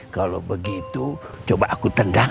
kalau begitu coba aku tendang